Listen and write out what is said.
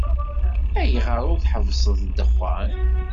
Ayɣer ur tḥebbseḍ ddexxan?